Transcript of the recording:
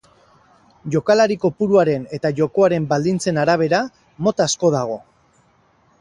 Jokalari kopuruaren eta jokoaren baldintzen arabera, mota asko dago.